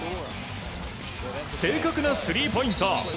正確なスリーポイント。